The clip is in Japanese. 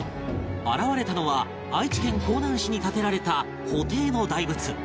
現れたのは愛知県江南市に建てられた布袋の大仏